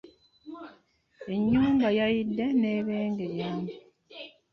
Ennyumba ye yayidde n'ebengeya